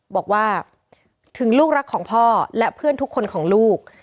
บอกว่าถึงลูกรักของพ่อและเพื่อนทุกคนของลูก